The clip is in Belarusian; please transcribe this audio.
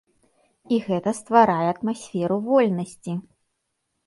І гэта стварае атмасферу вольнасці.